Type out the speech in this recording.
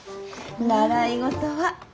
習い事は。